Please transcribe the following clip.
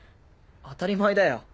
当たり前だよ。